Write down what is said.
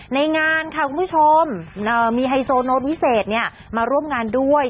ในงานค่ะคุณผู้ชมมีไฮโซโน้ตวิเศษมาร่วมงานด้วย